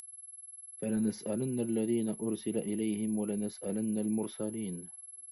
فَلَنَسْأَلَنَّ الَّذِينَ أُرْسِلَ إِلَيْهِمْ وَلَنَسْأَلَنَّ الْمُرْسَلِينَ